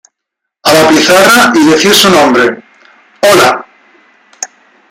a la pizarra y decir su nombre. hola.